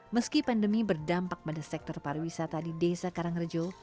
meski pandemi berdampak pada sektor pariwisata di desa karangrejo